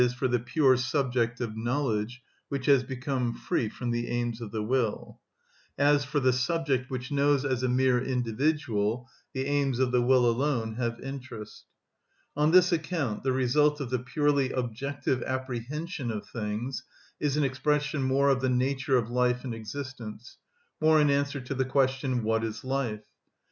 _, for the pure subject of knowledge which has become free from the aims of the will; as for the subject which knows as a mere individual the aims of the will alone have interest. On this account the result of the purely objective apprehension of things is an expression more of the nature of life and existence, more an answer to the question, "What is life?"